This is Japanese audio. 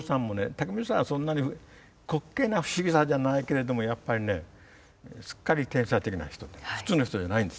武満さんはそんなに滑稽な不思議さじゃないけれどもやっぱりねすっかり天才的な人で普通の人じゃないんです。